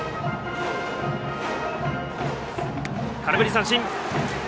空振り三振。